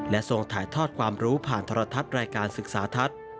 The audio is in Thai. ทรงถ่ายทอดความรู้ผ่านทรทัศน์รายการศึกษาทัศน์